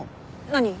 何？